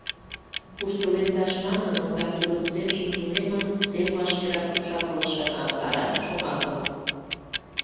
Куштылемдаш манын, ондак тудын семжым тунемын, сем вашкерак уш-акылыш шыҥа, вара — шомакым.